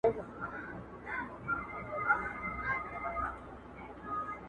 o د ژوند سكونه مړه لېـمه به دي پـه ياد کي ســاتـم.